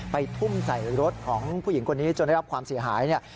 ทุ่มใส่รถของผู้หญิงคนนี้จนได้รับความเสียหายเนี่ย